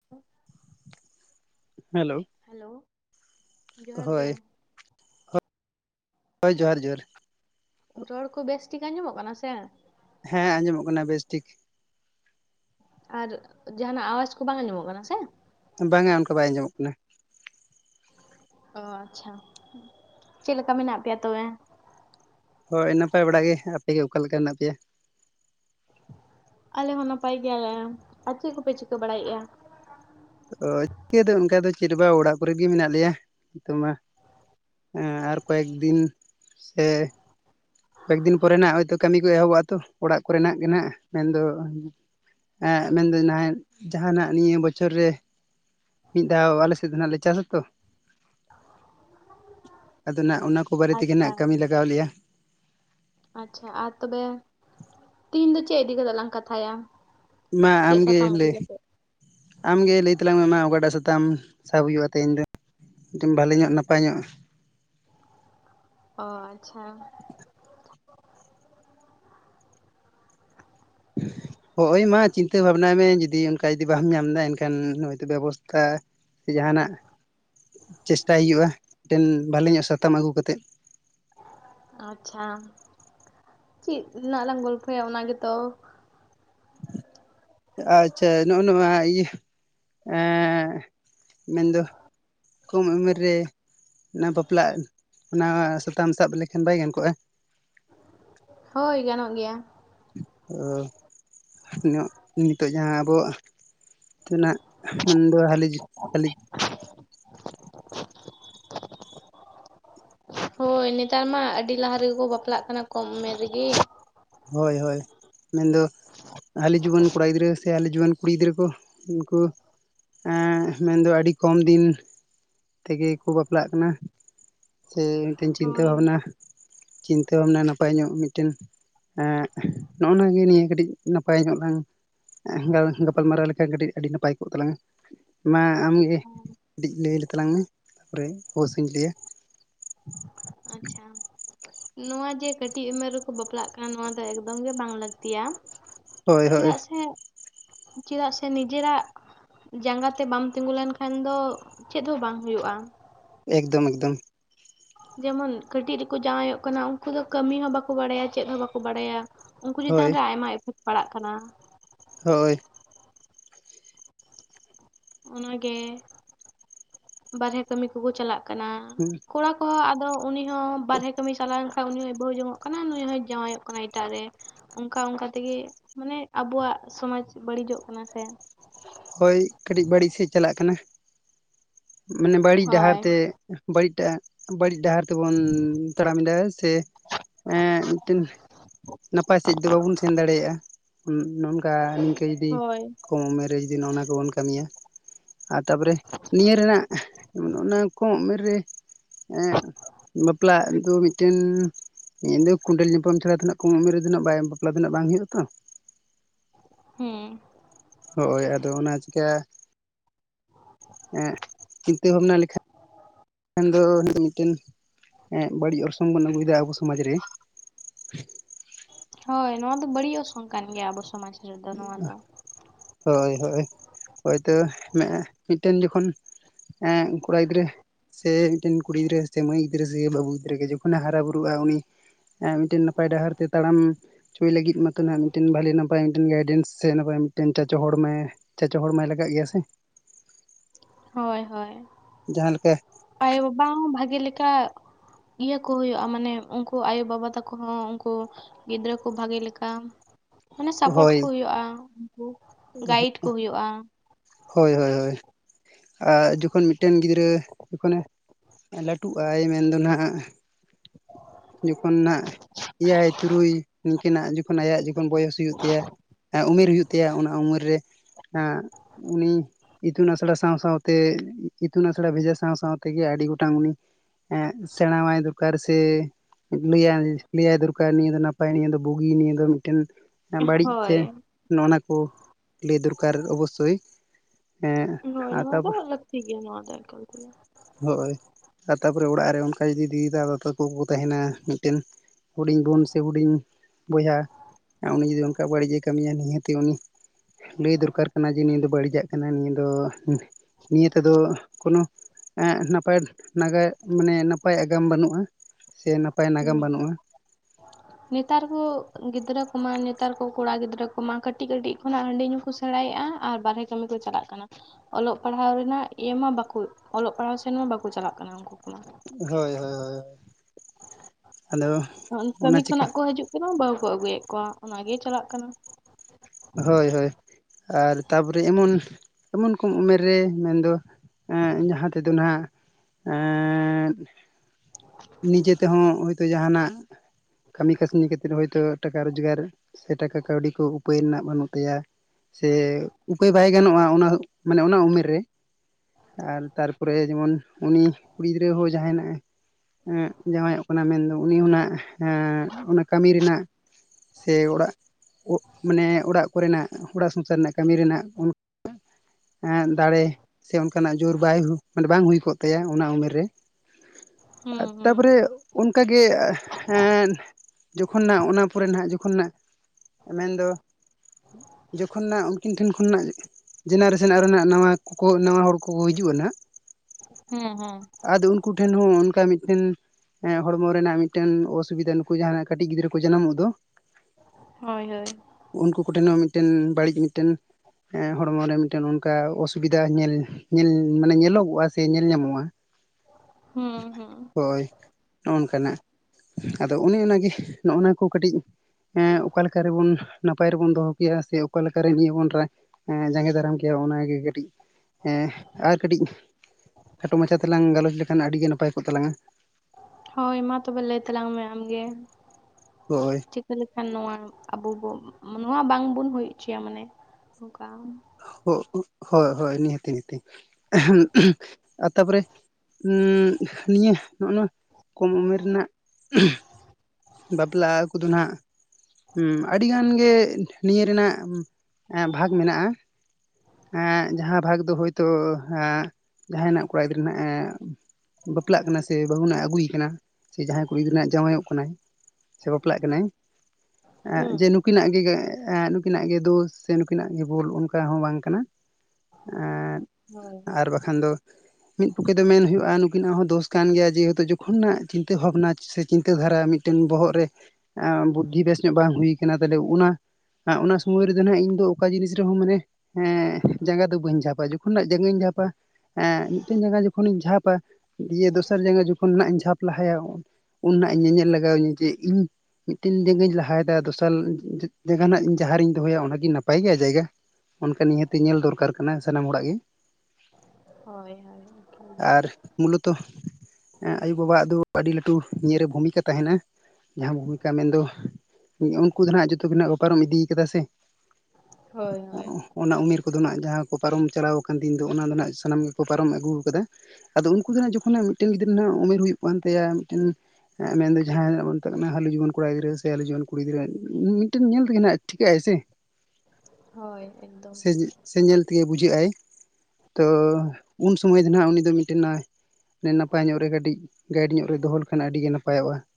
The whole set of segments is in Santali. [inaudible] ᱦᱮᱞᱳ ᱦᱮᱞᱳ ᱡᱚᱦᱟᱨ ᱜᱮ ᱦᱳᱭ ᱦᱳᱭ ᱡᱚᱦᱟᱨ ᱡᱚᱨ ᱨᱚᱲ ᱠᱚ ᱵᱮᱥ ᱴᱤᱠ ᱟᱸᱡᱚᱢᱚᱜ ᱠᱟᱱᱟ ᱥᱮ ᱦᱮᱸ ᱟᱸᱡᱚᱢᱚᱜ ᱠᱟᱱᱟ ᱵᱮᱥᱴᱤᱠ ᱟᱨ ᱡᱟᱦᱟᱱᱟᱜ ᱟᱣᱟᱡ ᱠᱚ ᱵᱟᱝ ᱟᱸᱡᱚᱢᱚᱜ ᱠᱟᱱᱟ ᱥᱮ ᱵᱟᱝᱟ ᱚᱱᱠᱟ ᱵᱟᱭ ᱟᱸᱡᱚᱢᱚᱜ ᱠᱟᱱᱟ ᱚ ᱟᱪᱷᱟ ᱪᱮᱫ ᱞᱮᱠᱟ ᱢᱮᱱᱟᱜ ᱯᱮᱭᱟ ᱛᱚᱵᱮ ᱦᱳᱭ ᱱᱟᱯᱟᱭ ᱵᱟᱲᱟ ᱜᱮ ᱟᱯᱮᱜᱮ ᱚᱠᱟ ᱞᱮᱠᱟ ᱦᱮᱱᱟᱜ ᱯᱮᱭᱟ ᱟᱞᱮ ᱦᱚᱸ ᱱᱟᱯᱟᱭ ᱜᱮᱭᱟᱞᱮ ᱟᱨ ᱪᱮᱫ ᱠᱚᱯᱮ ᱪᱤᱠᱟᱹ ᱵᱟᱲᱟᱭᱮᱜᱼᱟ ᱚ ᱪᱤᱠᱟᱹ ᱫᱚ ᱚᱱᱠᱟ ᱫᱚ ᱪᱮᱫᱦᱚᱸ ᱵᱟ ᱚᱲᱟᱜ ᱠᱚᱨᱮ ᱜᱮ ᱢᱮᱱᱟᱜ ᱞᱮᱭᱟ ᱱᱤᱛᱚᱜ ᱢᱟ ᱟᱨ ᱠᱚᱭᱮᱠ ᱫᱤᱱ ᱛᱮ ᱠᱚᱭᱮᱠ ᱫᱤᱱ ᱯᱚᱨᱮ ᱱᱟᱜ ᱦᱚᱭᱛᱚ ᱠᱟᱹᱢᱤ ᱠᱚ ᱮᱦᱚᱵᱚᱜ-ᱟ ᱛᱚ, ᱚᱲᱟᱜ ᱠᱚᱨᱮᱱᱟᱜ ᱜᱮ ᱱᱟᱜ ᱢᱮᱱᱫᱚ᱾ ᱦᱮᱸ ᱢᱮᱱᱫᱟᱹᱧ ᱱᱟᱜ ᱡᱟᱦᱟᱱᱟᱜ ᱱᱤᱭᱟᱹ ᱵᱚᱪᱷᱚᱨ ᱨᱮ ᱢᱤᱫ ᱫᱷᱟᱣ ᱟᱞᱮ ᱥᱮᱫ ᱱᱟᱜ ᱞᱮ ᱪᱟᱥᱟ ᱛᱚ᱾ ᱟᱫᱚ ᱱᱟᱜ ᱚᱱᱟ ᱠᱚ ᱵᱟᱨᱮ ᱛᱮᱜᱮ ᱟᱪᱪᱷᱟ ᱱᱟᱜ ᱠᱟᱹᱢᱤ ᱞᱟᱜᱟᱣ ᱞᱮᱭᱟ᱾ ᱟᱪᱪᱷᱟ ᱟᱨ ᱛᱚᱵᱮ, ᱛᱤᱦᱤᱧ ᱫᱚ ᱪᱮᱫ ᱤᱫᱤ ᱠᱟ ᱠᱟᱛᱮ ᱞᱟᱝ ᱠᱟᱛᱷᱟᱭᱟ? ᱢᱟ ᱪᱮᱫ ᱟᱢᱜᱮ ᱥᱟᱛᱟᱢ ᱤᱫᱤ ᱞᱟᱹᱭ ᱠᱟᱛᱮᱜ ᱟᱢᱜᱮ ᱞᱟᱹᱭ ᱛᱟᱞᱟᱝ ᱢᱮ, ᱢᱟ ᱚᱠᱟᱴᱟᱜ ᱥᱟᱛᱟᱢ ᱥᱟᱵ ᱦᱩᱭᱩᱜᱼᱟ ᱛᱤᱦᱤᱧ ᱫᱚ᱾ ᱢᱤᱫᱴᱮᱱ ᱵᱷᱟᱞᱤ ᱧᱚᱜ ᱱᱟᱯᱟᱭ ᱧᱚᱜ ᱚ ᱟᱪᱪᱷᱟ [inaudible] ᱦᱳᱭ ᱢᱟ ᱪᱤᱱᱛᱟᱹ ᱵᱷᱟᱵᱱᱟᱭ ᱢᱮ ᱡᱩᱫᱤ ᱚᱱᱠᱟ ᱡᱩᱫᱤ ᱵᱟᱢ ᱧᱟᱢ ᱫᱟ, ᱮᱱᱠᱷᱟᱱ ᱱᱚᱜ-ᱚᱭ ᱛᱚ ᱵᱮᱵᱚᱥᱛᱷᱟ ᱡᱟᱦᱟᱱᱟᱜ ᱪᱮᱥᱴᱟᱭ ᱦᱩᱭᱩᱜᱼᱟ᱾ ᱢᱤᱫᱴᱮᱱ ᱵᱷᱟᱞᱮ ᱧᱚᱜ ᱥᱟᱛᱟᱢ ᱟᱹᱜᱩ ᱠᱟᱛᱮᱫ᱾ ᱟᱪᱪᱷᱟ, ᱪᱮᱫ ᱨᱮᱱᱟᱜ ᱞᱟᱝ ᱜᱚᱞᱯᱷᱚᱭᱟ ᱚᱱᱟ ᱜᱮᱛᱚ? ᱟᱪᱪᱷᱟ ᱱᱚᱜᱼᱚ ᱱᱚᱣᱟ ᱤᱭᱟᱹ ᱮᱸᱻ ᱢᱮᱱᱫᱚ ᱠᱚᱢ ᱩᱢᱮᱨ ᱨᱮ ᱚᱱᱟ ᱵᱟᱯᱞᱟᱜ, ᱚᱱᱟ ᱥᱟᱛᱟᱢ ᱥᱟᱵ ᱞᱮᱠᱷᱟᱱ ᱵᱟᱭ ᱜᱟᱱ ᱠᱚᱜᱼᱟ? ᱦᱳᱭ, ᱜᱟᱱᱚᱜ ᱜᱮᱭᱟ᱾ ᱚ ᱧᱚᱜ ᱱᱤᱛᱚᱜ ᱡᱟᱦᱟᱸ ᱟᱵᱚᱣᱟᱜ ᱱᱟᱜ ᱢᱮᱱᱫᱚ ᱦᱟᱹᱞᱤᱡ ᱦᱟᱹᱞᱤᱡ ᱦᱳᱭ ᱱᱮᱛᱟᱨ ᱢᱟ ᱟᱹᱰᱤ ᱞᱟᱦᱟ ᱨᱮᱜᱮ ᱠᱚ ᱵᱟᱯᱞᱟᱜ ᱠᱟᱱᱟ ᱠᱚᱢ ᱩᱢᱮᱨ ᱨᱮᱜᱮ᱾ ᱦᱳᱭ ᱦᱳᱭ, ᱢᱮᱱᱫᱚ ᱦᱟᱹᱞᱤ ᱡᱩᱣᱟᱹᱱ ᱠᱚᱲᱟ ᱜᱤᱫᱽᱨᱟᱹ ᱥᱮ ᱦᱟᱹᱞᱤ ᱡᱩᱣᱟᱹᱱ ᱠᱩᱲᱤ ᱜᱤᱫᱽᱨᱟᱹ ᱠᱚ ᱩᱱᱠᱩ ᱮᱸ ᱢᱮᱱᱫᱚ ᱟᱹᱰᱤ ᱠᱚᱢ ᱫᱤᱱ ᱛᱮᱜᱮ ᱠᱚ ᱵᱟᱯᱞᱟᱜ ᱠᱟᱱᱟ᱾ ᱥᱮ ᱢᱤᱫᱴᱮᱱ ᱪᱤᱱᱛᱟᱹ ᱦᱳᱭ ᱵᱷᱟᱵᱽᱱᱟ ᱪᱤᱱᱛᱟᱹ ᱵᱷᱟᱵᱽᱱᱟ ᱱᱟᱯᱟᱭ ᱧᱚᱜ ᱢᱤᱫᱴᱮᱱ ᱦᱮᱸ ᱱᱚᱜᱼᱱᱟ ᱜᱮ ᱱᱤᱭᱟᱹ ᱠᱟᱹᱴᱤᱡ ᱱᱟᱯᱟᱭ ᱧᱚᱜ ᱼᱱᱟ ᱮᱸᱜᱟᱞᱚᱪ ᱜᱟᱯᱟᱞᱢᱟᱨᱟᱣ ᱞᱮᱠᱷᱟᱱ ᱠᱟᱹᱴᱤᱡ ᱟᱹᱰᱤ ᱱᱟᱯᱟᱭ ᱠᱚᱜ ᱛᱟᱞᱟᱝᱟ᱾ ᱢᱟ ᱟᱢᱜᱮ ᱠᱟᱹᱴᱤᱡ ᱞᱟᱹᱭ ᱞᱮᱛᱟᱞᱟᱝ ᱢᱮ, ᱛᱟᱯᱚᱨᱮ ᱚᱵᱚᱥᱥᱚᱧ ᱞᱟᱹᱭᱟ᱾ ᱟᱪᱪᱷᱟ ᱱᱚᱣᱟ ᱡᱮ ᱠᱟᱹᱴᱤᱡ ᱩᱢᱮᱨ ᱨᱮᱠᱚ ᱵᱟᱯᱞᱟᱜ ᱠᱟᱱᱟ, ᱱᱚᱣᱟ ᱫᱚ ᱮᱠᱫᱚᱢ ᱜᱮ ᱵᱟᱝ ᱞᱟᱹᱠᱛᱤᱭᱟ᱾ ᱦᱳᱭ ᱦᱳᱭ ᱪᱮᱫᱟᱜ ᱥᱮ ᱪᱮᱫᱟᱜ ᱥᱮ ᱱᱤᱡᱮᱨᱟᱜ ᱡᱟᱸᱜᱟ ᱛᱮ ᱵᱟᱢ ᱛᱤᱝᱜᱩ ᱞᱮᱱᱠᱷᱟᱱ ᱫᱚ ᱪᱮᱫ ᱦᱚᱸ ᱵᱟᱝ ᱦᱩᱭᱩᱜᱼᱟ᱾ ᱮᱠᱫᱚᱢ ᱮᱠᱫᱚᱢ ᱡᱮᱢᱚᱱ ᱠᱟᱹᱴᱤᱡ ᱨᱮᱠᱚ ᱡᱟᱶᱟᱭᱚᱜ ᱠᱟᱱᱟ᱾ ᱩᱱᱠᱩ ᱫᱚ ᱠᱟᱹᱢᱤ ᱦᱚᱸ ᱵᱟᱠᱚ ᱵᱟᱲᱟᱭᱟ, ᱪᱮᱫ ᱦᱚᱸ ᱵᱟᱠᱚ ᱵᱟᱲᱟᱭᱟ᱾ ᱩᱱᱠᱩ ᱦᱳᱭ ᱪᱮᱛᱟᱱ ᱨᱮ ᱟᱭᱢᱟ ᱮᱯᱷᱮᱠᱴ ᱯᱟᱲᱟᱜ ᱠᱟᱱᱟ᱾ ᱦᱳᱭ ᱚᱱᱟᱜᱮ, ᱵᱟᱨᱦᱨᱮ ᱠᱟᱹᱢᱤ ᱠᱚᱠᱚ ᱪᱟᱞᱟᱜ ᱠᱟᱱᱟ᱾ ᱠᱚᱲᱟ ᱠᱚ ᱟᱫᱚ ᱩᱱᱤᱦᱚᱸ ᱵᱟᱦᱨᱮ ᱠᱟᱹᱢᱤ ᱪᱟᱞᱟᱜ ᱮᱱ ᱩᱱᱤ ᱦᱚᱸ ᱵᱟᱹᱦᱩ ᱡᱚᱝᱚᱜ ᱠᱟᱱᱟ᱾ ᱱᱩᱭ ᱦᱚᱭ ᱡᱟᱶᱟᱭᱚᱜ ᱠᱟᱱᱟ ᱮᱴᱟᱜ ᱨᱮ᱾ ᱚᱱᱠᱟ ᱚᱱᱠᱟ ᱛᱮᱜᱮ ᱢᱟᱱᱮ ᱟᱵᱚᱣᱟᱜ ᱥᱚᱢᱟᱡᱽ ᱵᱟᱹᱲᱤᱡᱚᱜ ᱠᱟᱱᱟ ᱥᱮ᱾ ᱦᱳᱭ ᱠᱟᱹᱴᱤᱡ ᱵᱟᱹᱲᱤᱡ ᱥᱮᱫ ᱪᱟᱞᱟᱜ ᱠᱟᱱᱟ, ᱢᱟᱱᱮ ᱵᱟᱹᱲᱤᱡ ᱰᱟᱦᱟᱨ ᱦᱳᱭ ᱛᱮ ᱵᱟᱹᱲᱤᱡ ᱰᱟᱦᱟᱨ ᱵᱟᱹᱲᱤᱡ ᱰᱟᱦᱟᱨ ᱛᱮᱵᱚᱱ ᱛᱟᱲᱟᱢ ᱮᱫᱟ ᱥᱮ᱾ ᱮᱸᱻ ᱢᱤᱫᱴᱮᱱ ᱱᱟᱯᱟᱭ ᱥᱮᱡ ᱫᱚ ᱵᱟᱵᱚᱱ ᱥᱮᱱ ᱫᱟᱲᱮᱭᱟᱜᱼᱟ᱾ ᱚᱱᱠᱟ ᱱᱤᱝᱠᱟᱹ ᱡᱩᱫᱤ ᱦᱳᱭ ᱠᱚᱢ ᱩᱢᱮᱨ ᱨᱮ ᱡᱩᱫᱤ ᱱᱚᱜᱼᱱᱟ ᱠᱚᱵᱚᱱ ᱠᱟᱹᱢᱤᱭᱟ᱾ ᱟᱨ ᱛᱟᱨᱯᱚᱨᱮ ᱱᱤᱭᱟᱹ ᱨᱮᱱᱟᱜ ᱚᱱᱟ ᱠᱚᱢ ᱩᱢᱮᱨ ᱨᱮ ᱮᱸ ᱵᱟᱯᱞᱟ ᱫᱚ ᱢᱤᱫ ᱢᱤᱫᱴᱮᱱ ᱧᱤᱫᱟᱹ ᱠᱩᱸᱰᱮᱸᱞ ᱧᱟᱯᱟᱢ ᱪᱷᱟᱲᱟ ᱛᱚᱱᱟᱜ ᱠᱚᱢ ᱩᱢᱮᱨ ᱨᱮᱫᱚ ᱱᱟᱜ ᱵᱟᱭ ᱵᱟᱯᱞᱟ ᱛᱤᱱᱟᱹᱜ ᱵᱟᱝ ᱦᱩᱭᱩᱜᱼᱟ ᱛᱚ᱾ ᱦᱩᱸ ᱦᱳᱭ ᱟᱫᱚ ᱚᱱᱟ ᱪᱤᱠᱟ [unintelligible] ᱦᱮᱸ [unintelligible] ᱪᱤᱱᱛᱟᱹ ᱵᱷᱟᱵᱽᱱᱟ ᱞᱮᱠᱷᱟᱟᱱ [inaudible] ᱫᱚ ᱢᱤᱫᱴᱮᱱ ᱵᱟᱹᱲᱤᱡ ᱚᱨᱥᱚᱝ ᱵᱚᱱ ᱟᱹᱜᱩᱭᱮᱫᱟ ᱟᱵᱚ ᱥᱚᱢᱟᱡ ᱨᱮ ᱾ [unintelligible] ᱦᱚᱭ ᱱᱚᱣᱟ ᱫᱚ ᱵᱟᱹᱲᱤᱡ ᱚᱨᱥᱚᱝ ᱠᱟᱱ ᱜᱮᱭᱟ ᱟᱵᱚ ᱥᱚᱢᱟᱡᱽ ᱨᱮᱫᱚ ᱱᱚᱣᱟ ᱫᱚ᱾ [unintelligible] ᱦᱚᱭ ᱦᱚᱭ [unintelligible] ᱦᱚᱭᱛᱚ ᱱᱮᱜ ᱮ ᱢᱤᱫᱴᱮᱱ ᱡᱚᱠᱷᱚᱱ ᱮ ᱠᱚᱲᱟ ᱜᱤᱫᱽᱨᱟᱹ ᱥᱮ ᱢᱤᱫᱴᱮᱱ ᱠᱩᱲᱤ ᱜᱤᱫᱽᱨᱟᱹ ᱥᱮ ᱢᱟᱹᱭ ᱜᱤᱫᱽᱟᱹ ᱥᱮ ᱵᱟᱹᱵᱩ ᱜᱤᱫᱽᱨᱟᱹ ᱜᱮ ᱡᱚᱠᱷᱚᱱ ᱮ ᱦᱟᱨᱟ ᱵᱩᱨᱩᱜᱼᱟ ᱩᱱᱤ ᱢᱤᱫᱴᱮᱱ ᱱᱟᱯᱟᱭ ᱰᱟᱦᱟᱨ ᱛᱮ ᱛᱟᱲᱟᱢ ᱪᱚᱭ ᱞᱟᱹᱜᱤᱫ ᱢᱟᱛᱚ ᱦᱟᱜ ᱢᱤᱫᱴᱮᱱ ᱵᱷᱟᱞᱤᱮ ᱱᱟᱯᱟᱭ [unintelligible] ᱜᱟᱭᱰᱮᱱᱥ ᱥᱮ ᱤᱱᱟᱹ ᱯᱚᱨᱮ ᱢᱤᱫᱴᱮᱱ ᱪᱟᱪᱳ ᱦᱚᱲᱢᱟᱭ [inaudible] ᱪᱟᱪᱳ ᱦᱚᱲ ᱢᱟᱭ ᱞᱟᱜᱟᱜ ᱜᱮᱭᱟ ᱥᱮ᱾ ᱦᱚᱭ ᱦᱚᱭ ᱾ ᱡᱟᱦᱟᱸ ᱞᱮᱠᱟ ᱟᱭᱳ-ᱵᱟᱵᱟ ᱦᱚᱸ ᱵᱷᱟᱜᱮ ᱞᱮᱠᱟ ᱤᱭᱟᱹ ᱠᱚ ᱦᱩᱭᱩᱜᱼᱟ ᱢᱟᱱᱮ ᱩᱱᱠᱩ ᱟᱭᱳ-ᱵᱟᱵᱟ ᱛᱟᱠᱚ ᱦᱚᱸ ᱩᱱᱠᱩ ᱜᱤᱫᱽᱨᱟᱹ ᱠᱚ ᱵᱷᱟᱹᱜᱮ ᱞᱮᱠᱟ ᱢᱟᱱᱮ ᱥᱟᱯᱳᱨᱴ ᱦᱳᱭ ᱠᱩ ᱦᱩᱭᱩᱜᱼᱟ ᱩᱱᱠᱩ [unintelligible] ᱜᱟᱭᱤᱰ ᱠᱩ ᱦᱩᱭᱩᱜᱼᱟ᱾ ᱦᱚᱭ ᱦᱚᱭ ᱦᱚᱭ ᱾ ᱟᱨ ᱡᱚᱠᱷᱚᱱ ᱢᱤᱫᱴᱮᱱ ᱜᱤᱫᱽᱨᱟᱹ [unintelligible] ᱡᱚᱠᱷᱚᱱ ᱮ ᱞᱟᱹᱴᱩᱜ ᱟᱭ ᱢᱮᱱᱫᱚ ᱦᱟᱜ ᱡᱚᱠᱷᱚᱱ ᱱᱟ ᱮᱭᱟᱭ, ᱛᱩᱨᱩᱭ ᱩᱱᱠᱤᱱᱟᱜ ᱡᱚᱠᱷᱚᱱ ᱟᱭᱟᱜ ᱡᱚᱠᱷᱚᱱ ᱵᱚᱭᱮᱥ ᱦᱩᱭᱩᱜ ᱛᱟᱭᱟ [inaudible] ᱩᱢᱮᱨ ᱦᱩᱭᱩᱜ ᱛᱟᱭᱟ ᱚᱱᱟ ᱩᱢᱮᱨ ᱨᱮ [inaudible] ᱟᱻ ᱩᱱᱤ ᱤᱛᱩᱱ ᱟᱥᱲᱟ ᱥᱟᱶ ᱥᱟᱶ ᱛᱮ [inaudible] ᱤᱛᱩᱱ ᱟᱥᱲᱟ ᱵᱷᱮᱡᱟ ᱥᱟᱶ ᱥᱟᱶ ᱛᱮᱜᱮ ᱟᱹᱰᱤ ᱜᱚᱴᱟᱝ ᱩᱱᱤ ᱦᱮᱸ ᱥᱮᱬᱟ ᱮᱢᱟᱭ ᱫᱚᱨᱠᱟᱨ ᱥᱮ ᱞᱟᱹᱭᱟᱭ, ᱞᱟᱹᱭᱟᱭ ᱫᱚᱨᱠᱟᱨ ᱱᱤᱭᱟᱹ ᱫᱚ ᱱᱟᱯᱟᱭ ᱱᱤᱭᱟᱹ ᱫᱚ ᱵᱩᱜᱤ ᱱᱤᱭᱟᱹ ᱫᱚ ᱢᱤᱫᱴᱮᱱ ᱵᱟᱹᱲᱤᱡ ᱥᱮ ᱦᱳᱭ ᱱᱚᱜᱼᱱᱟ ᱠᱚ ᱞᱟᱹᱭ ᱫᱚᱨᱠᱟᱨ ᱚᱵᱚᱥᱥᱳᱭ ᱾ ᱦᱮᱸ ᱟᱨ ᱛᱟᱨᱯᱚᱨᱮ ᱴᱷᱤᱠ ᱜᱮᱭᱟ ᱱᱚᱣᱟ ᱫᱚ ᱮᱠᱟᱞ ᱛᱮ ᱾ ᱦᱚᱭ [inaudible] ᱟᱨ ᱛᱟᱨ ᱯᱚᱨᱮ ᱚᱲᱟᱜ ᱨᱮ ᱚᱱᱠᱟ ᱡᱩᱫᱤ ᱤᱫᱤᱭᱮᱫᱟ ᱩᱱᱠᱩ ᱠᱚ ᱛᱟᱦᱮᱱᱟ ᱢᱤᱫᱴᱮᱱ [inaudible] ᱦᱩᱰᱤᱧ ᱵᱚᱱ ᱥᱮ ᱦᱩᱰᱤᱧ [inaudible] ᱵᱚᱭᱦᱟ ᱟᱨ ᱩᱱᱤ ᱡᱩᱫᱤ ᱚᱱᱠᱟ ᱵᱟᱹᱲᱤᱡ ᱮ ᱠᱟᱹᱢᱤᱭᱟ ᱱᱤᱦᱟᱹᱛᱤ ᱩᱱᱤ ᱞᱟᱹᱭ ᱫᱚᱨᱠᱟᱨ ᱠᱟᱱᱟ ᱡᱮ ᱱᱤᱭᱟᱹ ᱫᱚ ᱵᱟᱹᱲᱤᱡᱟᱜ ᱠᱟᱱᱟ, ᱱᱤᱭᱟᱹ ᱫᱚ ᱱᱤᱭᱟᱹ ᱛᱮᱫᱚ ᱠᱚᱱᱚ ᱮᱸ ᱱᱟᱯᱟᱭ [unintelligible] ᱱᱟᱜᱟᱨ ᱢᱟᱱᱮ ᱱᱟᱯᱟᱭ ᱟᱜᱟᱢ ᱵᱟᱹᱱᱩᱜᱼᱟ᱾ ᱥᱮ ᱱᱟᱯᱟᱭ ᱱᱟᱜᱟᱢ ᱦᱮᱸ ᱵᱟᱹᱱᱩᱜᱼᱟ [inaudible] ᱱᱮᱛᱟᱨ ᱠᱚ ᱜᱤᱫᱽᱨᱟᱹ ᱠᱚᱢᱟ, ᱱᱮᱛᱟᱨ ᱠᱚ ᱠᱚᱲᱟ ᱜᱤᱫᱽᱨᱟᱹ ᱠᱚᱢᱟ ᱠᱟᱹᱴᱤᱡ- ᱠᱟᱹᱴᱤᱡ ᱠᱷᱚᱱᱟᱜ ᱦᱟᱺᱰᱤ ᱧᱩᱼᱼ ᱠᱚ ᱥᱮᱬᱟ ᱭᱮᱫᱼᱟ ᱟᱨ ᱵᱟᱨᱦᱮ ᱠᱟᱹᱢᱤ ᱠᱚ ᱪᱟᱞᱟᱜ ᱠᱟᱱᱟ᱾ ᱚᱞᱚᱜ ᱯᱟᱲᱦᱟᱣ ᱨᱮᱱᱟᱜ ᱤᱭᱟᱹ ᱢᱟ ᱵᱟᱠᱚ, ᱚᱞᱚᱜ ᱯᱟᱲᱦᱟᱣ ᱥᱮᱱ ᱢᱟ ᱵᱟᱠᱚ ᱪᱟᱞᱟᱜ ᱠᱟᱱᱟ ᱩᱱᱠᱩ ᱠᱚᱢᱟ᱾ ᱦᱚᱭ ᱦᱚᱭ ᱦᱚᱭ ᱾ ᱚᱱᱟ ᱠᱟᱹᱢᱤ ᱪᱤᱠᱟᱹ ᱠᱷᱚᱱᱟᱜ ᱠᱚ ᱦᱟᱹᱤᱡᱩᱜ ᱠᱟᱱᱟ ᱵᱟᱹᱦᱩ ᱠᱚ ᱟᱹᱜᱩᱭᱮᱫ ᱠᱚᱣᱟ ᱚᱱᱟ ᱜᱮ ᱪᱟᱞᱟᱜ ᱠᱟᱱᱟ᱾ ᱦᱚᱭ ᱦᱚᱭ ᱟᱨ ᱛᱟᱨᱯᱚᱨᱮ ᱮᱢᱚᱱ ᱮᱢᱚᱱ ᱠᱚᱢ ᱩᱢᱮᱨ ᱨᱮ ᱢᱮᱱᱫᱚ [unintelligible] ᱡᱟᱦᱟᱸ ᱛᱮᱫᱚ ᱱᱟᱜ ᱮᱸᱻ ᱱᱤᱡᱮ ᱛᱮᱦᱚᱸ ᱦᱚᱭ ᱛᱚ ᱡᱟᱦᱟᱱᱟᱜ ᱠᱟᱹᱢᱤ ᱠᱟᱹᱥᱱᱤ ᱠᱟᱛᱮᱫ ᱦᱚᱚᱭ ᱛᱚ ᱴᱟᱠᱟ ᱨᱚᱡᱽᱜᱟᱨ ᱥᱮ ᱴᱟᱠᱟ ᱠᱟᱹᱣᱰᱤ ᱠᱚ ᱩᱯᱟᱹᱭ ᱨᱮᱱᱟᱜ ᱵᱟᱹᱱᱩᱜ ᱛᱟᱭᱟ ᱥᱮ ᱩᱯᱟᱹᱭ ᱵᱟᱭ ᱜᱟᱱᱚᱜᱼᱟ ᱚᱱᱟ ᱢᱟᱱᱮ ᱚᱱᱟ ᱩᱢᱮᱨ ᱨᱮ ᱟᱨ ᱛᱟᱨᱯᱚᱨᱮ ᱡᱮᱢᱚᱱ ᱩᱱᱤ ᱠᱩᱲᱤ ᱜᱤᱫᱽᱨᱟᱹ ᱦᱚᱸ ᱡᱟᱦᱟᱸᱭ ᱦᱮᱱᱟᱜᱼ ᱡᱟᱶᱟᱭᱚᱜ ᱠᱟᱱᱟ ᱢᱮᱱᱫᱚ ᱩᱱᱤ ᱦᱩᱱᱟᱜ ᱚᱱᱟ ᱠᱟᱹᱢᱤ ᱨᱮᱱᱟᱜ [unintelligible] ᱥᱮ ᱚᱲᱟᱜ ᱢᱟᱱᱮ ᱚᱲᱟᱜ ᱠᱚᱨᱮᱱᱟᱜ ᱚᱲᱟᱜ ᱥᱚᱝᱥᱟᱨ ᱨᱮᱱᱟᱜ ᱠᱟᱹᱢᱤ ᱨᱮᱱᱟᱜ [unintelligible] ᱚᱱᱠᱟ ᱫᱟᱲᱮ ᱥᱮ ᱚᱱᱠᱟᱱᱟᱜ ᱡᱳᱨ ᱵᱟᱭ ᱢᱟᱱᱮ ᱵᱟᱝ ᱦᱩᱭ ᱠᱚᱜ ᱛᱟᱭᱟ ᱚᱱᱟ ᱩᱢᱮᱨ ᱨᱮ ᱦᱩᱸ [unintelligible] ᱦᱩᱸ ᱛᱟᱯᱚᱨᱮ ᱚᱱᱠᱟᱜ ᱜᱮ [unintelligible] ᱡᱚᱠᱷᱚᱱ ᱱᱟ ᱚᱱᱟ ᱯᱚᱨᱮ ᱱᱟᱦᱟᱜ ᱡᱚᱠᱷᱚᱱ ᱱᱟᱜ ᱢᱮᱱᱫᱚ ᱡᱚᱠᱷᱚᱱ ᱱᱟᱜ ᱩᱱᱠᱤᱱ ᱴᱷᱮᱱ ᱠᱷᱚᱱᱟᱜ ᱡᱮᱱᱟᱨᱮᱥᱮᱱ ᱟᱨᱚ ᱨᱮᱱᱟᱜ ᱱᱟᱣᱟ ᱠᱚ ᱱᱟᱣᱟ ᱦᱚᱲ ᱠᱚᱠᱚ ᱦᱤᱡᱩᱜ ᱟᱱᱟ ᱦᱮᱸ ᱦᱮᱸ ᱟᱫᱚ ᱩᱱᱠᱩ ᱴᱷᱮᱱ ᱦᱚᱸ ᱚᱱᱠᱟ ᱢᱤᱫᱴᱮᱱ ᱦᱮᱸ ᱦᱚᱲᱢᱚ ᱨᱮᱱᱟᱜ ᱢᱤᱫᱴᱮᱱ ᱚᱥᱩᱵᱤᱫᱟ ᱱᱩᱠᱩ ᱡᱟᱦᱟ ᱠᱟᱹᱴᱤᱡ ᱜᱤᱫᱽᱨᱟᱹ ᱠᱚ ᱡᱟᱱᱟᱢᱚᱜ ᱫᱚ, ᱦᱳᱭ ᱦᱳᱭ ᱩᱱᱠᱩ ᱠᱚᱴᱷᱮᱱ ᱦᱚᱸ ᱢᱤᱫᱴᱮᱱ ᱵᱟᱹᱲᱤᱡ ᱢᱤᱫᱴᱮᱱ ᱦᱚᱲᱢᱚ ᱨᱮ ᱢᱤᱫᱴᱮᱱ ᱚᱱᱠᱟ ᱚᱥᱩᱵᱤᱫᱟ ᱧᱮᱞ ᱧᱮᱞ ᱢᱟᱱᱮ ᱧᱮᱞᱚᱜᱚᱜᱼᱟ ᱥᱮ ᱧᱮᱞ ᱧᱟᱢᱚᱜᱼᱟ᱾ ᱦᱩᱸ ᱦᱩᱸ ᱱᱚᱜ ᱱᱚᱝᱠᱟᱱᱟᱜ ᱟᱫᱚ ᱚᱱᱮ ᱚᱱᱟᱜᱮ ᱱᱚᱜᱼᱚᱱᱟ ᱠᱚ ᱠᱟᱹᱴᱤᱡ ᱮᱸ ᱚᱠᱟᱞᱮᱼᱼ ᱚᱠᱟᱨᱮᱵᱚᱱ ᱱᱟᱯᱟᱭ ᱨᱮᱵᱚᱱ ᱫᱚᱦᱚ ᱠᱮᱭᱟ ᱥᱮ ᱚᱠᱟ ᱞᱮᱠᱟᱨᱮ ᱱᱤᱭᱟᱹ ᱵᱚᱱ ᱨᱟᱭ ᱦᱮᱸ ᱡᱟᱸᱜᱮ ᱫᱟᱨᱟᱢ ᱠᱮᱭᱟ ᱚᱱᱟᱜᱮ ᱠᱟᱹᱴᱤᱡ, ᱦᱮᱸ ᱟᱨ ᱠᱟᱹᱴᱤᱡ ᱠᱷᱟᱴᱚ ᱢᱟᱪᱷᱟ ᱛᱮᱞᱟᱝ ᱜᱟᱞᱚᱪ ᱞᱮᱠᱷᱟᱱ ᱟᱹᱰᱤ ᱜᱮ ᱱᱟᱯᱟᱭ ᱠᱚᱜ ᱛᱟᱞᱟᱝᱟ᱾ ᱦᱳᱭ ᱢᱟ ᱛᱚᱵᱮ ᱞᱟᱹᱭ ᱛᱟᱞᱟᱝ ᱢᱮ ᱟᱢ ᱜᱮ ᱾ ᱦᱳᱭ ᱪᱤᱠᱟᱹ ᱞᱮᱠᱷᱟᱱ ᱱᱚᱣᱟ ᱟᱵᱚ ᱵᱚ ᱱᱚᱣᱟ ᱵᱟᱝᱵᱚᱱ ᱦᱩᱭ ᱦᱚᱪᱚᱭᱟ ᱢᱟᱱᱮ ᱱᱚᱝᱠᱟ ᱦᱳᱭ ᱦᱳᱭ ᱱᱤᱦᱟᱹᱛᱤ ᱱᱤᱛᱤᱟᱹ ᱟᱨ ᱛᱟᱯᱚᱨᱮ ᱱᱤᱭᱟᱹ ᱱᱚᱜ ᱱᱚᱣᱟ ᱠᱚᱢ ᱩᱢᱮᱨ ᱨᱮᱱᱟᱜ ᱵᱟᱯᱞᱟ ᱠᱚᱫᱚ ᱱᱟᱜ ᱦᱸ ᱟᱹᱰᱤ ᱜᱟᱱ ᱜᱮ ᱱᱤᱭᱟᱹ ᱨᱮᱱᱟᱜ ᱵᱷᱟᱜᱽ ᱢᱮᱱᱟᱜᱼᱟ ᱾ ᱮᱸᱜ ᱡᱟᱦᱟᱸ ᱵᱷᱟᱜᱽ ᱫᱚ ᱦᱳᱭᱛᱳ ᱦᱮᱸ ᱡᱟᱦᱭᱱᱟᱜ ᱠᱚᱲᱟ ᱜᱤᱫᱽᱨᱟᱹ ᱱᱟᱜ ᱮ ᱵᱟᱯᱞᱟᱜ ᱠᱟᱱᱟ ᱥᱮ ᱵᱟᱦᱩ ᱟᱹᱜᱩᱭ ᱠᱟᱱᱟ ᱥᱮ ᱡᱟᱦᱟᱸᱭ ᱠᱩᱲᱤ ᱜᱤᱫᱽᱨᱟᱹ ᱡᱟᱶᱟᱭᱚᱜ ᱠᱟᱱᱟᱭ ᱥᱮ ᱵᱟᱯᱞᱟᱜ ᱠᱟᱱᱟᱭ ᱦᱩᱸ ᱡᱮ ᱱᱩ ᱱᱩᱠᱤᱱᱟᱜ ᱜᱮ ᱱᱩᱠᱤᱱᱟᱜ ᱜᱮ ᱫᱳᱥ ᱥᱮ ᱱᱩᱠᱤᱱᱟᱜ ᱜᱮ ᱵᱷᱩᱞ ᱚᱱᱠᱟ ᱦᱚᱸ ᱵᱟᱝ ᱠᱟᱱᱟ ᱾ ᱟᱨ ᱦᱳᱭ ᱟᱨ ᱵᱟᱠᱷᱟᱱ ᱫᱚ ᱢᱤᱫ ᱯᱚᱠᱠᱷᱮ ᱫᱚ ᱢᱮᱱ ᱦᱳᱭᱳᱼᱟ ᱱᱩᱠᱤᱱᱟᱜ ᱦᱚᱸ ᱫᱳᱥ ᱠᱟᱱ ᱜᱮᱭᱟ ᱡᱮᱦᱮᱛᱩ ᱡᱚᱠᱷᱚᱱᱟᱜ ᱪᱤᱱᱛᱟᱹ ᱵᱷᱟᱵᱱᱟ ᱥᱮ ᱪᱤᱱᱛᱟᱹ ᱫᱷᱟᱨᱟ ᱢᱤᱫᱴᱮᱱ ᱵᱚᱦᱚᱜ ᱨᱮ ᱵᱩᱫᱽᱫᱷᱤ ᱵᱮᱥ ᱧᱚᱜ ᱵᱟᱝ ᱦᱩᱭᱩ ᱟᱠᱟᱱᱟ ᱛᱟᱦᱚᱞᱮ ᱚᱱᱟ ᱟᱨ ᱚᱱᱟ ᱥᱚᱢᱚᱭ ᱨᱮᱫᱚ ᱦᱟᱸᱜ ᱤᱧ ᱫᱚ ᱚᱠᱟ ᱡᱤᱱᱤᱥ ᱨᱮᱦᱚᱸ ᱢᱟᱱᱮ ᱮᱜ ᱡᱟᱸᱜᱟ ᱫᱚ ᱵᱟᱹᱧ ᱡᱷᱟᱯᱟ ᱛᱚᱠᱷᱚᱱᱟᱜ ᱡᱟᱸᱜᱟᱧ ᱡᱷᱟᱯᱟ ᱮᱸ ᱢᱤᱫᱴᱮᱱ ᱡᱟᱸᱜᱟ ᱡᱚᱠᱷᱤᱧ ᱡᱷᱟᱯᱟ ᱫᱤᱭᱮ ᱫᱚᱥᱟᱨ ᱡᱟᱸᱜᱟ ᱡᱚᱠᱷᱚᱱ ᱱᱟᱜ ᱤᱧ ᱡᱷᱟᱯ ᱞᱟᱦᱟᱭᱟ ᱩᱱ ᱱᱟᱜ ᱧᱮᱧᱮᱞ ᱞᱟᱜᱟᱣ ᱤᱧ ᱡᱮ ᱤᱧ ᱢᱤᱫᱴᱮᱱ ᱡᱟᱹᱜᱟᱧ ᱞᱟᱦᱟᱭᱮᱫᱟ ᱫᱚᱥᱟᱨ ᱡᱟᱺᱜᱟ ᱱᱟᱜ ᱡᱟᱦᱟ ᱨᱤᱧ ᱫᱚᱦᱚᱭᱟ ᱚᱱᱟᱜᱮ ᱱᱟᱯᱟᱭ ᱜᱮᱭᱟ ᱡᱟᱭᱜᱟ ᱚᱱᱠᱟ ᱱᱤᱦᱟᱹᱛᱤ ᱧᱮᱞ ᱫᱚᱨᱠᱟᱨ ᱠᱟᱱᱟ ᱥᱟᱱᱟᱢ ᱦᱚᱲᱟᱜ ᱜᱮ ᱾ ᱦᱳᱭ ᱦᱳᱭ ᱟᱨ ᱢᱩᱞᱚᱛᱚ ᱟᱭᱩ ᱵᱟᱵᱟᱣᱟᱜ ᱫᱚ ᱟᱹᱰᱤ ᱞᱟᱹᱴᱩ ᱱᱤᱭᱟᱹᱨᱮ ᱵᱷᱩᱢᱤᱠᱟ ᱛᱟᱦᱮᱱᱟ ᱡᱟᱦᱟᱸ ᱵᱷᱩᱢᱤᱠᱟ ᱢᱮᱱᱫᱚ ᱩᱱᱠᱩ ᱫᱚ ᱱᱟᱜ ᱡᱚᱛᱚ ᱜᱮ ᱱᱟ ᱱᱟᱜ ᱯᱟᱨᱚᱢ ᱤᱫᱤ ᱠᱟᱫᱟ ᱥᱮ ᱦᱳᱭ ᱦᱳᱭ ᱚᱱᱟ ᱩᱢᱮᱨ ᱠᱚᱫᱚ ᱱᱟᱜ ᱡᱟᱦᱟᱸ ᱠᱚ ᱯᱟᱨᱚᱢ ᱪᱟᱞᱟᱣ ᱟᱠᱟᱱ ᱫᱤᱱ ᱫᱚ ᱚᱱᱟ ᱫᱚ ᱱᱟᱜ ᱥᱟᱱᱟᱢ ᱜᱮᱠᱚ ᱯᱟᱨᱚᱢ ᱟᱹᱜᱩ ᱠᱟᱫᱟ ᱾ ᱟᱫᱚ ᱩᱱᱠᱩ ᱫᱚᱱᱟᱜ ᱡᱚᱠᱷᱚᱱ ᱱᱟᱜ ᱢᱤᱫᱴᱮᱱ ᱜᱤᱫᱽᱨᱟᱹ ᱦᱟᱜ ᱩᱢᱮᱨ ᱦᱩᱭᱩᱜ ᱠᱟᱱ ᱛᱟᱭᱟ ᱢᱤᱫᱴᱮᱱ ᱸ ᱢᱮᱱᱫᱚ ᱡᱟᱦᱟᱸᱭᱱᱟᱜ ᱵᱚᱱ ᱢᱮᱛᱟᱜ ᱠᱟᱱᱟ ᱦᱟᱞᱤ ᱡᱩᱣᱟᱹᱱ ᱠᱚᱲᱟ ᱜᱤᱫᱽᱨᱟᱹ ᱥᱮ ᱦᱟᱞᱤ ᱡᱩᱣᱟᱹᱱ ᱠᱩᱲᱤ ᱜᱤᱫᱽᱟᱹ ᱢᱤᱫᱴᱮᱱ ᱧᱮᱞ ᱛᱮᱜᱮ ᱱᱟᱜ ᱴᱷᱤᱠᱟᱹᱜ ᱟᱭ ᱥᱮ ᱦᱳᱭ ᱮᱠᱫᱚᱢ᱾ ᱥᱮ ᱧᱮᱞ ᱛᱮᱜᱮ ᱵᱩᱡᱷᱟᱹᱜ ᱟᱭ ᱛᱚ ᱩᱱ ᱥ ᱚᱢᱚᱭ ᱫᱚ ᱦᱟᱜ ᱩᱱᱤ ᱫᱚ ᱢᱤᱫᱴᱮᱱᱟ ᱱᱟᱯᱟᱭ ᱧᱚᱜ ᱨᱮ ᱠᱟᱹᱴᱤᱡ ᱜᱟᱭᱤᱰ ᱧᱚᱜ ᱨᱮ ᱫᱚᱦᱚ ᱞᱮᱠᱷᱟᱱ ᱟᱹᱰᱤ ᱜᱮ ᱱᱟᱯᱟᱭᱚᱜᱼᱟ ᱾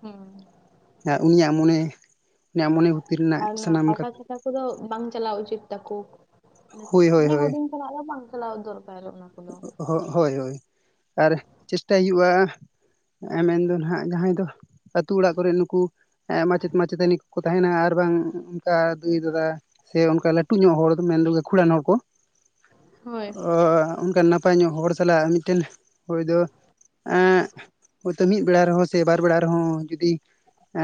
ᱦᱩᱸ ᱩᱱᱤᱭᱟᱜ ᱢᱚᱱᱮ ᱩᱱᱤᱭᱟᱜ ᱢᱚᱱᱮ ᱨᱮᱱᱟᱜ ᱟᱨ ᱚᱱᱟ ᱥᱟᱱᱟᱢ ᱯᱟᱛᱟ ᱪᱷᱟᱛᱟ ᱩᱸᱠᱩ ᱫᱚ ᱵᱟᱝ ᱪᱟᱞᱟᱣ ᱩᱪᱤᱛ ᱛᱟᱠᱚ ᱦᱳᱭ ᱦᱳᱭ ᱢᱟᱱᱮ ᱦᱳᱭ ᱦᱩᱰᱤᱧ ᱪᱟᱞᱟᱜ ᱫᱚ ᱵᱟᱝ ᱪᱟᱞᱟᱣ ᱫᱚᱨᱠᱟᱨ ᱚᱱᱟ ᱠᱳᱱᱳ ᱦᱳ ᱦᱳᱭ ᱦᱳᱭ ᱟᱨ ᱪᱮᱥᱴᱟᱭ ᱦᱩᱭᱩᱜᱼᱟ᱾ ᱢᱮᱱᱫᱚ ᱱᱟᱦᱜ ᱡᱟᱦᱟᱸᱭ ᱫᱚ ᱟᱹᱛᱩ ᱚᱲᱟᱜ ᱠᱚᱨᱮᱜ ᱱᱩᱠᱩ ᱢᱟᱪᱮᱫ ᱢᱟᱪᱮᱛᱟᱹᱱᱤ ᱠᱚ ᱠᱚ ᱛᱟᱦᱮᱱᱟ ᱟᱨ ᱵᱟᱝ ᱚᱱᱠᱟ ᱫᱟᱹᱭ ᱫᱟᱫᱟ ᱥᱮ ᱚᱱᱠᱟ ᱞᱟᱹᱴᱩ ᱧᱚᱜ ᱦᱚᱲ ᱢᱮᱱᱫᱚ ᱜᱟᱹᱠᱷᱩᱲᱟᱱ ᱦᱚᱲ ᱠᱚ ᱦᱳᱭ ᱚ ᱚᱱᱠᱟᱟᱱ ᱱᱟᱯᱟᱭ ᱧᱚᱜ ᱦᱚᱲ ᱥᱟᱞᱟᱜ ᱢᱤᱫᱴᱮᱱ ᱦᱚᱭ ᱫᱚ ᱮ ᱦᱳᱭᱛᱚ ᱢᱤᱫ ᱵᱮᱲᱟ ᱨᱮᱦᱚᱸ ᱥᱮ ᱵᱟᱨ ᱵᱮᱲᱟ ᱨᱮᱦᱚᱸ ᱡᱩᱫᱤ ᱮᱻ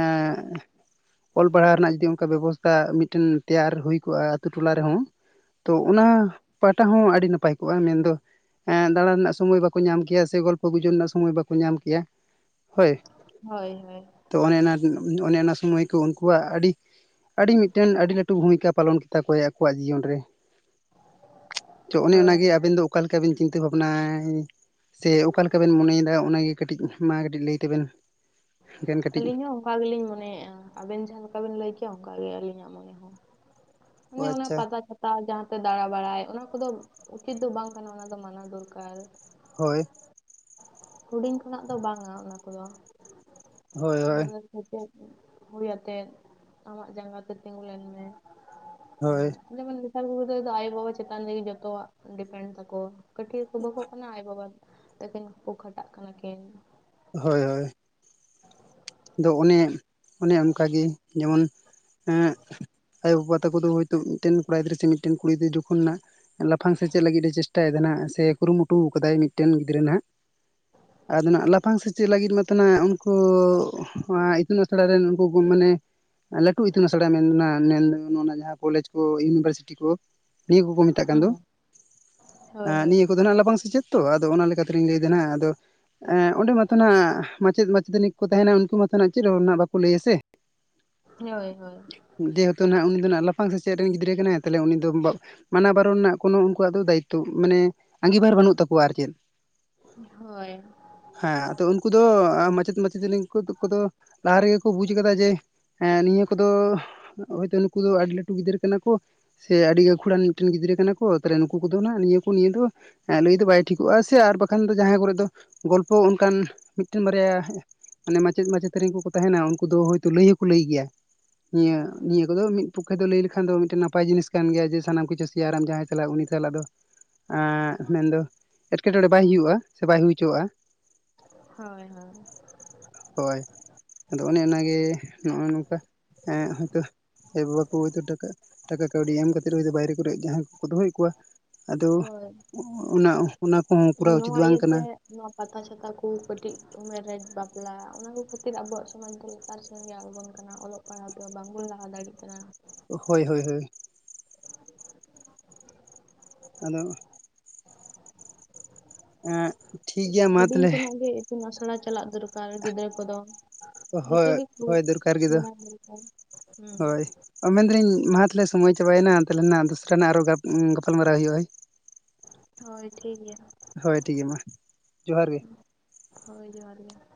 ᱚᱞ ᱯᱟᱲᱦᱟᱣ ᱨᱮᱱᱟᱜ ᱡᱩᱫᱤ ᱚᱱᱠᱟ ᱵᱮᱵᱚᱥ ᱾ ᱚᱱᱠᱟ ᱢᱤᱫᱴᱮᱱ ᱛᱮᱭᱟᱨ ᱦᱩᱭ ᱠᱚᱜᱼᱟ ᱟᱛᱳ ᱴᱚᱞᱟ ᱨᱮᱦᱚᱸ ᱛᱚ ᱚᱱᱟ ᱯᱟᱦᱴᱟ ᱦᱚᱸ ᱟᱹᱰᱤ ᱱᱟᱯᱟᱭ ᱠᱚᱜᱼᱟ ᱢᱮᱱᱫᱚ ᱦᱮᱸ ᱫᱟᱬᱟᱱ ᱨᱮᱱᱟᱜ ᱥᱚᱢᱚᱭ ᱵᱟᱠᱚ ᱧᱟᱢ ᱠᱮᱭᱟ ᱥᱮ ᱜᱚᱞᱯᱚ ᱜᱩᱡ ᱨᱮᱱᱟᱜ ᱥᱚᱢᱚᱭ ᱵᱟᱠᱚ ᱧᱟᱢ ᱠᱮᱭᱟ ᱦᱳᱭ ᱦᱳᱭ ᱦᱳᱭ ᱛᱚ ᱚᱱᱮ ᱚᱱᱮ ᱚᱱᱟ ᱥᱩᱢᱟᱹᱭ ᱠᱚ ᱩᱱᱠᱩᱣᱟᱜ ᱟᱹᱰᱤ ᱟᱹᱰᱤ ᱢᱤᱫᱴᱮᱱ ᱟᱹᱰᱤ ᱞᱟᱹᱴᱩ ᱵᱷᱩᱢᱤᱠᱟ ᱯᱟᱞᱚᱱ ᱛᱟᱠᱚ ᱟᱠᱚᱣᱟᱜ ᱡᱤᱭᱚᱱ ᱨᱮ ᱛ ᱚᱱᱮ ᱦᱳᱭ ᱚᱱᱟᱜᱮ ᱟᱵᱮᱱ ᱫᱚ ᱚᱠᱟ ᱞᱮᱠᱟᱵᱤᱱ ᱪᱤᱱᱛᱟᱹ ᱵᱷᱟᱵᱱᱟᱭ ᱥᱮ ᱚᱠᱟ ᱞᱮᱠᱟᱵᱤᱱ ᱢᱚᱱᱮᱭᱮᱫᱟ ᱚᱱᱟᱜᱮ ᱠᱟᱹᱴᱤᱡ ᱢᱟ ᱠᱟᱹᱴᱤᱡ ᱞᱟᱹᱭ ᱛᱮᱟᱵᱮᱱ ᱟᱹᱞᱤᱧ ᱦᱚᱸ ᱚᱝᱠᱟ ᱜᱮᱞᱤᱧ ᱢᱚᱱᱮᱭᱮᱜᱼᱟ ᱟᱵᱮᱱ ᱡᱟᱦᱟᱸ ᱞᱮᱠᱟ ᱵᱤᱱ ᱞᱟᱹᱭ ᱠᱮᱜᱼᱟ ᱚᱝᱠᱟᱜ ᱜᱮ ᱟᱹᱞᱤᱧᱟᱜ ᱢᱚᱱᱮ ᱦᱚᱸ ᱚ ᱚᱱᱮ ᱚᱱᱟ ᱟᱪᱪᱷᱟ ᱯᱟᱛᱟ ᱪᱷ ᱛᱟ ᱡᱟᱦᱟᱸᱛᱮ ᱫᱟᱬᱟ ᱵᱟᱲᱟᱭ ᱚᱱᱟ ᱠᱚᱫᱚ ᱩᱪᱤᱛ ᱫᱚ ᱵᱟᱝ ᱠᱟᱱᱟ ᱚᱱᱟ ᱫᱚ ᱢᱟᱱᱟᱣ ᱫᱚᱨᱠᱟᱨ ᱦᱳᱭ ᱾ ᱦᱩᱰᱤᱧ ᱠᱷᱚᱱᱟᱜ ᱫᱚ ᱵᱟᱝᱟ ᱚᱱᱟ ᱠᱚᱫᱚ ᱾ ᱦᱳᱭ ᱦᱳᱭ [unintelligible] ᱦᱳᱭ ᱟᱛᱮᱫ ᱟᱢᱟᱜ ᱡᱟᱸᱜᱟ ᱛᱮ ᱛᱤᱸᱜᱩ ᱞᱮᱱ ᱢᱮ ᱚᱱᱟ ᱦᱳᱭ ᱡᱮᱢᱚᱱ ᱱᱮᱛᱟᱨ ᱜᱤᱫᱽᱨᱟᱹ ᱫᱚ ᱟᱭᱳᱼᱵᱟᱵᱟ ᱪᱮᱛᱟᱱ ᱨᱮᱜᱮ ᱡᱚᱛᱚᱣᱟᱜ ᱰᱤᱯᱮᱱᱰ ᱫᱟᱠᱚ ᱠᱟᱹᱴᱤᱜ ᱨᱮᱠᱚ [unintelligible] ᱠᱟᱱᱟ ᱟᱡ ᱵᱟᱵᱟ ᱛᱟᱹᱠᱤᱱ ᱠᱚ ᱠᱷᱟᱴᱟᱜ ᱠᱟᱱᱟ ᱠᱤᱱ ᱦᱳᱭ ᱦᱳᱭ ᱾ ᱫᱚ ᱚᱱᱮ ᱚᱱᱮ ᱚᱱᱠᱟᱜᱮ ᱡᱮᱢᱚᱱ ᱮᱜ ᱟᱭᱳᱵᱟᱵᱟ ᱛᱟᱠᱚ ᱫᱚ ᱦᱳᱭᱛᱳ ᱢᱤᱫᱴᱮᱱ ᱠᱚᱲᱟ ᱜᱤᱫᱽᱨᱟᱹ ᱥᱮ ᱢᱤᱫᱴᱮᱱ ᱠᱩᱲᱤ ᱜᱤᱫᱽᱨ ᱡᱚᱠᱷᱚᱱᱟᱜ ᱞᱟᱯᱷᱟᱝ ᱥᱮᱪᱮᱜ ᱞᱟᱹᱜᱤᱫ ᱮ ᱪᱮᱥᱴᱟᱭᱮᱫᱟ ᱱᱟᱜ ᱥᱮ ᱠᱩᱨᱩᱢᱩᱴᱩ ᱠᱟᱫᱟᱭ ᱢᱤᱫᱴᱮᱱ ᱜᱤᱫᱽᱨᱟᱹ ᱱᱟᱜ ᱟᱫᱚ ᱱᱟᱜ ᱞᱟᱯᱷᱟᱝ ᱥᱮᱪᱮᱜ ᱞᱟᱹᱜᱤᱫ ᱢᱟᱛᱚ ᱱᱟᱜ ᱩᱝᱠᱩ ᱚᱝᱟ ᱤᱛᱩᱱ ᱟᱥᱲᱟ ᱨᱮᱱ ᱩᱱᱠᱩ ᱠᱩ ᱢᱟᱱᱮ ᱞᱟᱹᱴᱩ ᱤᱛᱩᱱ ᱟᱥᱲᱟ ᱢᱮᱱᱱᱟ [unintelligible] ᱡᱟᱦᱟᱸ ᱠᱚᱞᱮᱡᱽ ᱠᱚ ᱤᱭᱩᱱᱤᱵᱷᱟᱨᱥᱤᱴᱤ ᱠᱚ ᱱᱤᱭᱟᱹ ᱠᱚᱠᱚ ᱢᱮᱛᱟᱜ ᱠᱟᱱ ᱫᱚ ᱦᱩᱸ ᱟ ᱦᱳᱭ ᱦᱳᱭ ᱱᱤᱭᱟᱹ ᱠᱚᱫᱚ ᱱᱟᱜ ᱞᱟᱯᱷᱟᱝ ᱥᱮᱪᱮᱫ ᱛᱚ ᱟᱫᱚ ᱚᱱᱟ ᱞᱮᱠᱟᱛᱮᱞᱤᱧ ᱞᱟᱹᱭᱫᱟ ᱱᱟᱜ ᱟᱫᱚ ᱟ ᱚᱸᱰᱮ ᱢᱟᱛᱚ ᱱᱟᱜ ᱢᱟᱪᱮᱫ ᱢᱟᱪᱮᱛᱟᱱᱤ ᱠᱚ ᱛᱟᱦᱮᱱᱟ ᱩᱱᱠᱩ ᱢᱟᱛᱷᱟ ᱱᱟᱜ ᱪᱮᱜ ᱨᱮᱦᱚ ᱱᱟᱜ ᱵᱟᱠᱚ ᱞᱟᱹᱭᱟ ᱥᱮ ᱦᱳᱭ ᱦᱳᱭ ᱡᱮᱦᱮᱛᱩ ᱱᱟᱜ ᱩᱱᱤ ᱫᱚ ᱟᱜ ᱞᱟᱯᱷᱟᱝ ᱥᱮᱪᱮᱫ ᱨᱮᱱ ᱜᱤᱫᱽᱨᱟᱹ ᱠᱟᱱᱟᱭ ᱛᱟᱦᱚᱞᱮ ᱩᱱᱤ ᱫᱚ ᱵᱟ ᱢᱟᱱᱟ ᱵᱟᱨᱚᱱ ᱨᱮᱱᱟᱜ ᱠᱳᱱᱚ ᱩᱱᱠᱩᱣᱟᱜ ᱫᱚ ᱫᱟᱭᱤᱛᱚ ᱢᱟᱱᱮ ᱟᱸᱜᱤᱵᱷᱟᱨ ᱵᱟᱹᱱᱩᱜ ᱛᱟᱠᱚᱣᱟ ᱟᱨ ᱪᱮᱫ ᱦᱳᱭ ᱦᱮᱸ ᱟᱫᱚ ᱩᱱᱠᱩ ᱫᱚ ᱢᱟᱪᱮᱫ ᱢᱟᱪᱮᱛᱟᱹᱱᱤ ᱠᱚᱫᱚ ᱞᱟᱦᱟ ᱨᱮᱜᱮ ᱠᱚ ᱵᱩᱡ ᱠᱟᱫᱟ ᱡᱮ ᱦᱮᱸ ᱱᱤᱭᱟᱹ ᱠᱚᱫᱚ ᱦᱚᱭᱛᱚ ᱱᱩᱠᱩ ᱫᱚ ᱟᱹᱰᱤ ᱞᱟᱹᱴᱩ ᱜᱤᱫᱽᱨᱟᱹ ᱠᱟᱱᱟ ᱠᱚ ᱥᱮ ᱟᱹᱰᱤ ᱠᱷᱩᱲᱟᱱ ᱢᱤᱫᱴᱮᱱ ᱜᱤᱫᱽᱨᱟᱹ ᱠᱟᱱᱟ ᱠᱚ ᱛᱟᱦᱞᱮ ᱱᱩᱠᱩ ᱠᱚᱫᱚ ᱦ ᱱᱤᱭᱟᱹ ᱠᱚ ᱱᱤᱭᱟᱹ ᱫᱚ ᱮᱸ ᱱᱩᱭ ᱫᱚ ᱵᱟᱭ ᱴᱷᱤᱠᱚᱜᱼᱟ ᱥᱮ ᱟᱨ ᱵᱟᱠᱷᱟᱱ ᱫᱚ ᱡᱟᱦᱟᱸ ᱠᱚᱨᱮᱜ ᱫᱚ ᱜᱚᱞᱯᱚ ᱚᱱᱠᱟᱱ ᱢᱤ ᱢᱤᱫᱴᱮᱱ ᱵᱟᱨᱭᱟ ᱢᱟᱱᱮ ᱢᱟᱪᱮᱫ ᱢᱟᱪᱮᱛᱟᱹᱱᱤ ᱠᱚᱠᱚ ᱛᱟᱦᱮᱱᱟ ᱩᱱᱠᱩ ᱫᱚ ᱦᱚᱭᱛᱚ ᱞᱟᱹᱭ ᱦᱚᱸᱠᱚ ᱞᱟᱹᱭ ᱜᱮᱭᱟ ᱱᱤᱭᱟᱹ ᱱᱤᱭᱟᱹ ᱠᱚᱫᱚ ᱢᱤᱫ ᱯᱚᱠᱠᱷᱮ ᱫᱚ ᱞᱟᱹᱭ ᱞᱮᱠᱷᱟᱱ ᱫᱚ ᱢᱤᱫᱴᱮᱱ ᱱᱟᱯᱟᱭ ᱡᱤᱱᱤᱥ ᱠᱟᱱ ᱜᱮᱭᱟ ᱡᱮ ᱥᱟᱱᱟᱢ ᱠᱤᱪᱷᱩ ᱛᱮᱨᱟᱢ ᱡᱟᱦᱟᱸᱭ ᱥᱟᱞᱟᱜᱼᱟ ᱩᱱᱤ ᱥᱟᱞᱟᱜ ᱫᱚ ᱟᱸ ᱢᱮᱱᱫᱚ ᱮᱴᱠᱮᱴᱚᱬᱮ ᱵᱟᱭ ᱦᱩᱭᱩᱜᱼᱟ ᱥᱮ ᱵᱟᱭ ᱦᱩᱭ ᱦᱚᱪᱚᱣᱟᱜᱼᱟ ᱾ ᱦᱳᱭ ᱦᱳᱭ ᱾ ᱦᱳᱭ ᱟᱫᱚ ᱚᱱᱮ ᱚᱱᱟᱜᱮ ᱱᱚᱜᱼᱚᱭ ᱱᱚᱝᱠᱟ ᱮᱸ ᱦᱚᱭᱛᱚ ᱟᱭᱳᱵᱟᱵᱟ ᱠᱩ ᱦᱚᱭᱛᱚ ᱴᱟᱠᱟ ᱠᱟᱹᱣᱰᱤ ᱮᱢ ᱠᱟᱛᱮᱫ ᱵᱟᱭᱨᱮ ᱠᱚᱨᱮᱜ ᱡᱟᱦᱟᱸᱭ ᱠᱚ ᱫᱚᱦᱚᱭᱮᱫ ᱠᱚᱣᱟ ᱟᱫᱚ ᱦᱳᱭ ᱚᱱᱟ ᱚᱱᱟ ᱠᱚᱦᱚᱸ ᱠᱚᱨᱟᱣ ᱩᱪᱤᱛ ᱱᱚᱣᱟ ᱵᱟᱝ ᱠᱟᱱᱟ ᱤᱭᱟᱹᱛᱮ ᱾ ᱱᱚᱣᱟ ᱯᱟᱛᱟ ᱪᱷᱟᱛᱟ ᱠᱚ ᱠᱟᱹᱴᱤᱜ ᱩᱢᱮᱨ ᱨᱮ ᱵᱟᱯᱞᱼᱟ ᱚᱱᱟ ᱠᱚ ᱠᱷᱟᱹᱛᱤᱨ ᱟᱵᱚᱣᱟᱜ ᱥᱚᱢᱟᱡᱽ ᱫᱚ [unintelligible] ᱠᱟᱱᱟ ᱚᱞᱚᱜ ᱯᱟᱲᱦᱟᱜ ᱫᱚ ᱵᱟᱝᱵᱚᱱ ᱞᱟᱦᱟ ᱫᱟᱲᱮᱭᱮᱜ ᱠᱟᱱᱟ ᱦᱳᱭ ᱦᱳᱭ ᱦᱳᱭ ᱟᱫᱚ ᱮᱸᱜ ᱴᱷᱤᱠ ᱜᱮᱭᱟ ᱢᱟ ᱦᱩᱰᱤᱧ ᱛᱟᱦᱚᱞᱮ ᱠᱷᱚᱱᱟᱜ ᱜᱮ ᱤᱛᱩᱱ ᱟᱥᱲᱟ ᱪᱟᱞᱟᱜ ᱫᱚᱨᱠᱟᱨ ᱜᱤᱫᱽᱨᱟᱹ ᱠᱚᱫᱚ ᱦᱳᱭ ᱡᱚᱛᱚ ᱜᱮᱠᱩ ᱦᱳᱭ ᱫᱚᱨᱠᱟᱨ ᱜᱮᱫᱚ ᱥᱮᱬᱟ ᱦᱳᱭᱳᱜᱼᱟ ᱦᱩᱸ ᱚ ᱢᱮᱱ ᱫᱟᱹᱞᱤᱧ ᱢᱟ ᱛᱟᱦᱞᱮ ᱥᱚᱢᱚᱭ ᱪᱟᱵᱟᱭᱮᱱᱟ ᱛᱟᱦᱞᱮ ᱱᱟᱜ ᱫᱩᱥᱨᱟ ᱱᱟᱜ ᱟᱨᱚ ᱜᱟ ᱜᱟᱯᱟᱞᱢᱟᱨᱟᱣ ᱦᱳᱭᱳᱜᱼᱟ ᱦᱳ ᱦᱳᱭ ᱴᱷᱤᱠ ᱜᱮᱭᱟ ᱦᱳᱭ ᱴᱷᱤᱠ ᱜᱮᱭᱟ ᱢᱟ ᱡᱚᱦᱟᱨ ᱜᱮ ᱦᱳᱭ ᱡᱚᱦᱟᱨ ᱜᱮ